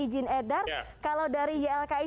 izin edar kalau dari ylki